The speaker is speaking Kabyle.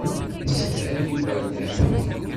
Yessedhay igerdan.